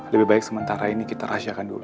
lebih baik sementara ini kita rahasiakan dulu